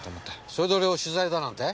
それで俺を取材だなんて？